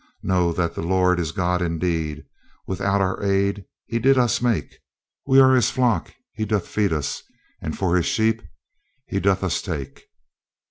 Know that the Lord is God indeed, Without our aid He did us make; We are His flock. He doth us feed, And for His sheep He doth us take.